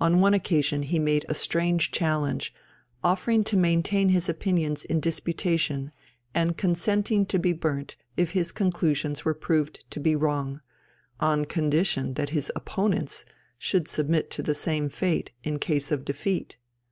On one occasion he made a strange challenge, offering to maintain his opinions in disputation, and consenting to be burnt if his conclusions were proved to be wrong, on condition that his opponents should submit to the same fate in case of defeat.